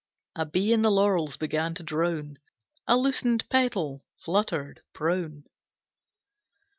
A bee in the laurels began to drone. A loosened petal fluttered prone.